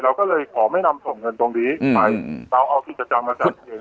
เราก็เลยขอไม่นำส่งเงินตรงนี้ไปเราเอากิจกรรมมาจัดเอง